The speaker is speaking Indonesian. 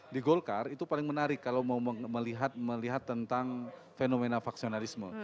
di golkar itu paling menarik kalau mau melihat tentang fenomena faksionalisme